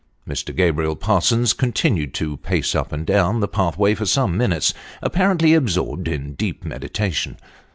Mr. Gabriel Parsons continued to pace up and down the pathway for some minutes, apparently absorbed in deep meditation.